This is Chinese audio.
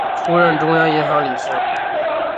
出任中央银行理事。